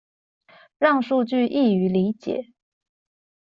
讓數據易於理解